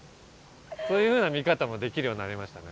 そういうふうな見方もできるようになりましたね。